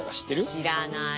知らない。